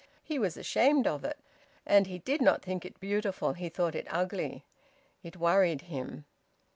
He was ashamed of it. And he did not think it beautiful; he thought it ugly. It worried him.